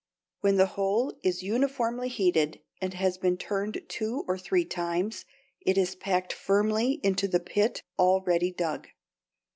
When the whole is uniformly heated and has been turned two or three times, it is packed firmly into the pit already dug.